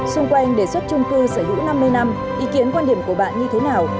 xung quanh đề xuất trung cư sở hữu năm mươi năm ý kiến quan điểm của bạn như thế nào